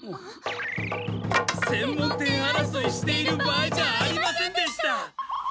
専門店あらそいしている場合じゃありませんでした！